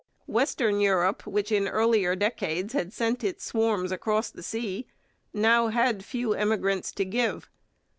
Western Europe, which in earlier decades had sent its swarms across the sea, now had few emigrants to give.